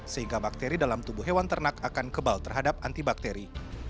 sehingga bakteri dalam tubuh hewan ternak akan kebal terhadap antibakteri